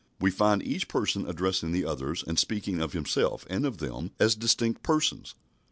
We find each Person addressing the Others and speaking of Himself and of Them as distinct Persons.